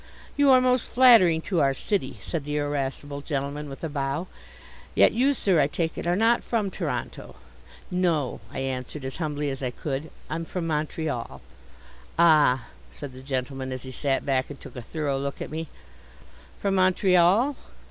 "You are most flattering to our city," said the irascible gentleman with a bow. "Yet you, sir, I take it, are not from Toronto." "No," I answered, as humbly as I could. "I'm from Montreal." "Ah!" said the gentleman, as he sat back and took a thorough look at me. "From Montreal?